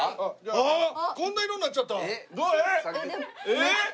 えっ！